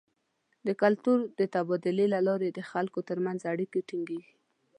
د کلتور د تبادلې له لارې د خلکو تر منځ اړیکې ټینګیږي.